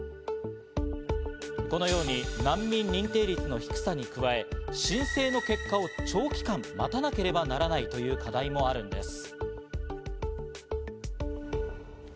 このように難民認定率の低さに加え、申請の結果を長期間待たなければならないという課題もあるんです。